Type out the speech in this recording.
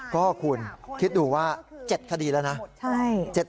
ก็คุณคิดดูว่า๗คดีแล้วนะ